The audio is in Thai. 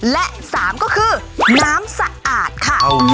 และ๓ก็คือน้ำสะอาดค่ะ